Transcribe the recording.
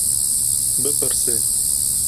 Bipirse.